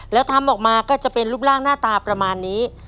แล้วทำออกมาก็จะเป็นรูปร่างหน้าตาประมาณนี้